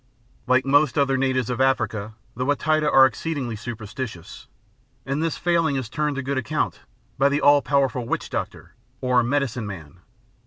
Like most other natives of Africa, the Wa Taita are exceedingly superstitious, and this failing is turned to good account by the all powerful "witch doctor" or "medicine man."